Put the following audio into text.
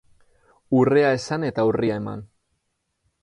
Urrea esan eta urria eman.